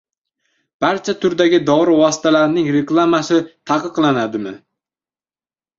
Barcha turdagi dori vositalarining reklamasi taqiqlanadimi?